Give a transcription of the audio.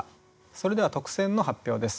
それでは特選の発表です。